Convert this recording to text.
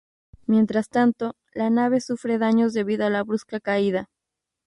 Mientras tanto, la nave sufre daños debido a la brusca caída.